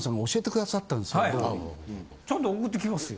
ちゃんと送ってきますよ。